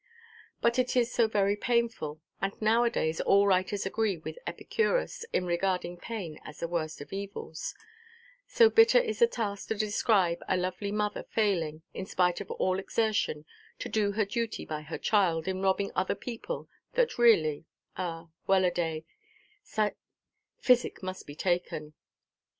But it is so very painful—and now–a–days all writers agree with Epicurus, in regarding pain as the worst of evils—so bitter is the task to describe a lovely mother failing, in spite of all exertion, to do her duty by her child, in robbing other people, that really—ah well–a–day, physic must be taken.